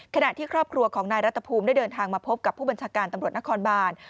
ขณะที่ครอบครัวของนายรัฐภูมิได้เดินทางมาพบกับผู้บัญชาการตำรวจนครบาน